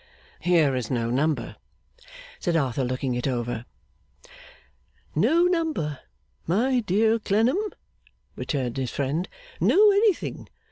'Here is no number,' said Arthur looking over it. 'No number, my dear Clennam?' returned his friend. 'No anything!